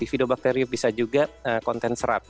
bifidobacteriut bisa juga konten serat